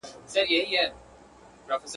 د سوځېدلو قلاګانو او ښارونو کوي.